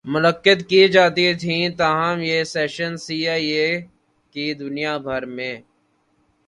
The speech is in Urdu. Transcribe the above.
منعقد کی جاتی تھیں تاہم یہ سیشنز سی آئی اے کی دنیا بھر می